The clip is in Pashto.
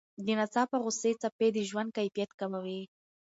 د ناڅاپه غوسې څپې د ژوند کیفیت کموي.